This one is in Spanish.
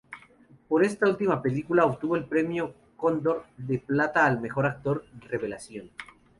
Por esta última película obtuvo el Premio Cóndor de Plata al mejor actor revelación.